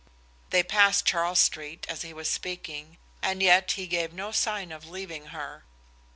They passed Charles Street as he was speaking, and yet he gave no sign of leaving her.